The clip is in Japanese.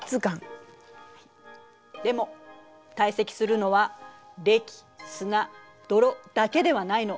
でも堆積するのはれき砂泥だけではないの。